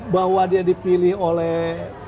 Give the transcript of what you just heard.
bahwa dia dipilih oleh